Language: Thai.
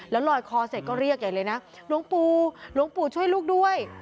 แล้วลอยคอเสร็จก็เรียกใหญ่เลยนะหลวงปู่หลวงปู่ช่วยลูกด้วย